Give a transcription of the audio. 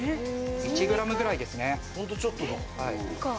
１グラムぐらいですね。